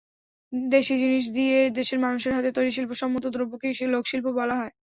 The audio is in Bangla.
দেশি জিনিস দিয়ে দেশের মানুষের হাতে তৈরি শিল্পসম্মত দ্রব্যকেই লোকশিল্প বলা হয়।